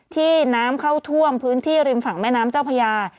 ที่น้ำเข้าท่วมพื้นที่ริมฝั่งแม่น้ำเจ้าพญา